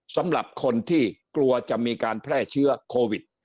สำหรับคนที่กลัวจะมีการแพร่เชื้อโควิด